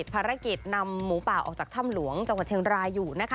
ภารกิจนำหมูป่าออกจากถ้ำหลวงจังหวัดเชียงรายอยู่นะคะ